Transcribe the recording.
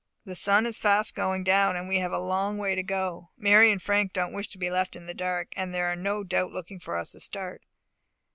The sun is fast going down, and we have a long way to go. Mary and Frank don't wish to be left in the dark, and are no doubt looking for us to start."